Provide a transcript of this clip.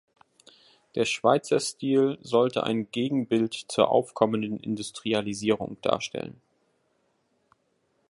Der Schweizerstil sollte ein Gegenbild zur aufkommenden Industrialisierung darstellen.